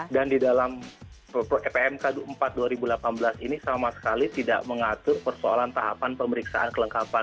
dan di dalam pmk empat tahun dua ribu delapan belas ini sama sekali tidak mengatur persoalan tahapan pemeriksaan kelengkapan